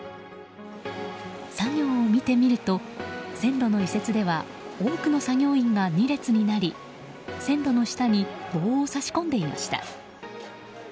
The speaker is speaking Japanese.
作業を見てみると線路の移設では、多くの作業員が２列になり、線路の下に棒を差し込んでいました。